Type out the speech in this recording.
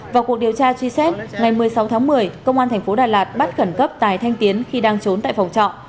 vào cuộc điều tra truy xét ngày một mươi sáu tháng một mươi công an thành phố đà lạt bắt khẩn cấp tài thanh tiến khi đang trốn tại phòng trọ